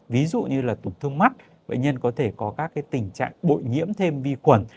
ví dụ như là tổn thương mắt bệnh nhân có thể có các tình trạng bội nhiễm thêm vi khuẩn